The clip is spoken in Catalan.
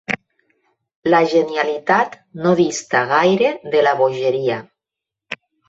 La genialitat no dista gaire de la bogeria.